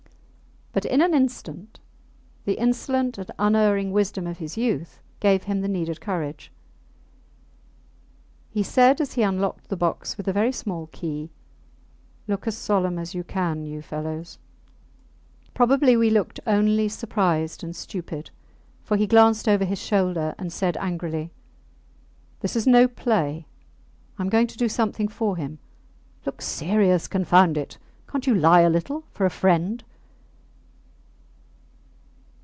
But in an instant the insolent and unerring wisdom of his youth gave him the needed courage. He said, as he unlocked the box with a very small key, Look as solemn as you can, you fellows. Probably we looked only surprised and stupid, for he glanced over his shoulder, and said angrily This is no play; I am going to do something for him. Look serious. Confound it! ... Cant you lie a little ... for a friend!